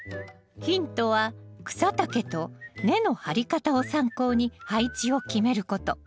ヒントは草丈と根の張り方を参考に配置を決めること。